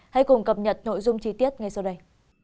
hãy cùng cập nhật nội dung chi tiết ngay sau đây